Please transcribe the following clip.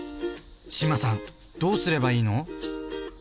志麻さんどうすればいいの？